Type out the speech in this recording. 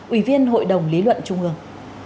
ủy viên hội đồng lý luận trung ương